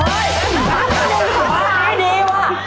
บ้านนี้ดีวะ